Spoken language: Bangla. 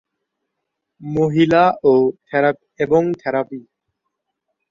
মহিলা এবং থেরাপি।